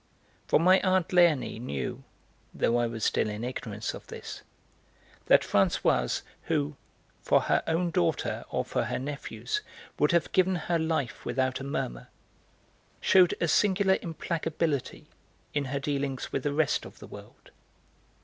For my aunt Léonie knew (though I was still in ignorance of this) that Françoise, who, for her own daughter or for her nephews, would have given her life without a murmur, shewed a singular implacability in her dealings with the rest of the world.